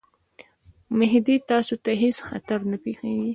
مهدي تاسي ته هیڅ خطر نه پېښوي.